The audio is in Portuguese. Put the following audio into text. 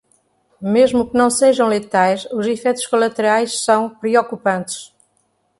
Mesmo que não sejam letais, os efeitos colaterais são preocupantes.